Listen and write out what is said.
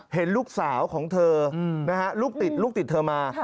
เห็นลูกสาวของเธอนะฮะลูกติดลูกติดเธอมา